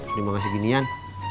ini mau ngasih ginian